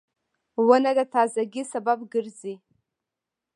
• ونه د تازهګۍ سبب ګرځي.